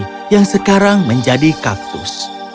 anna mary yang sekarang menjadi kaktus